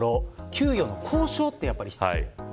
給与の交渉が必要。